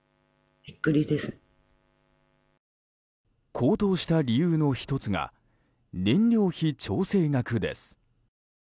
高騰した理由の１つが燃料費調整額です。